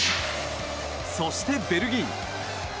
そして、ベルギー。